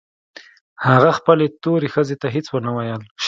هغه خپلې تورې ښځې ته هېڅ نه ويل.